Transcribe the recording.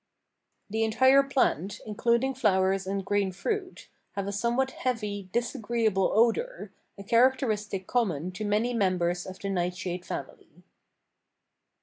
The entire plant, including flowers and green fruit, have a somewhat heavy, disagreeable odor, a characteristic common to many members of the nightshade family.